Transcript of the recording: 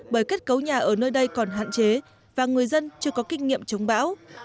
bởi kết cấu nhà ở nơi đây còn hạn chế và người dân chưa có kinh nghiệm chống bão